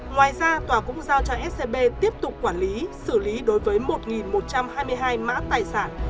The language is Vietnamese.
ngoài ra tòa cũng giao cho scb tiếp tục quản lý xử lý đối với một một trăm hai mươi hai mã tài sản